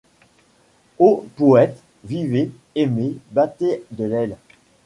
Ô poètes ! vivez, aimez, battez de l'aile